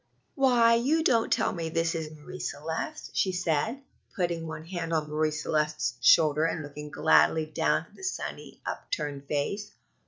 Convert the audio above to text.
"Why, you don't tell me this is Marie Celeste?" she said, putting one hand on Marie Celeste's shoulder and looking gladly down at the sunny, upturned face.